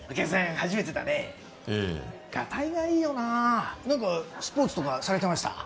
初めてだねええガタイがいいよな何かスポーツとかされてました？